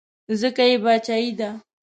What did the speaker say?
ځکه یې باچایي ده.